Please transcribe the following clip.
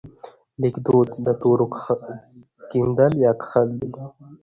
لیکدود د تورو کیندل یا کښل دي.